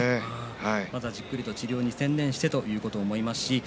まずはじっくりと治療に専念してほしいと思います。